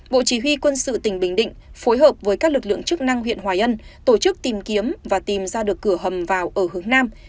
bộ chỉ huy quân sự tỉnh bình định phối hợp với các lực lượng chức năng huyện hòa ân tổ chức tìm kiếm và tìm ra được cửa hầm vào ở hướng nam